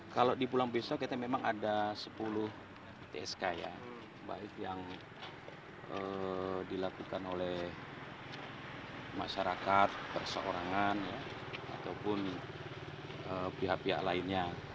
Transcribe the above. kalau di pulang besok kita memang ada sepuluh tsk ya baik yang dilakukan oleh masyarakat perseorangan ataupun pihak pihak lainnya